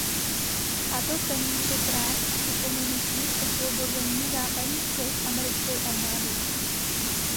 A to tentokrát připomenutím osvobození západních Čech americkou armádou.